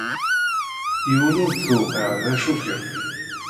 Yiwen ur t-tewqiε d acu-kem.